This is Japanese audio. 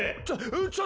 ちょっ！